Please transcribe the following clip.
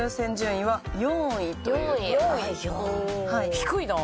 低いなあ。